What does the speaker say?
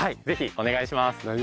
ぜひお願いします！